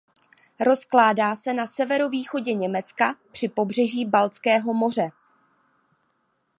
Rozkládá se na severovýchodě Německa při pobřeží Baltského moře.